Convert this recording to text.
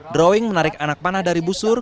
drawing menarik anak panah dari busur